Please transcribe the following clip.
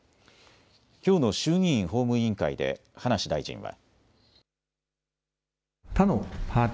きょうの衆議院法務委員会で葉梨大臣は。